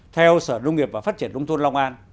theo sở nông nghiệp và phát triển nông thôn long an